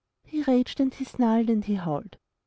He raged and he snarled and he howled!